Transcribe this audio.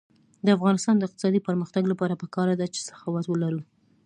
د افغانستان د اقتصادي پرمختګ لپاره پکار ده چې سخاوت ولرو.